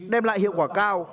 đem lại hiệu quả cao